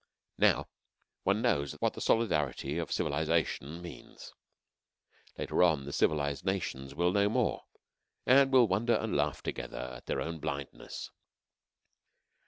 Now one knows what the solidarity of civilization means. Later on the civilized nations will know more, and will wonder and laugh together at their old blindness.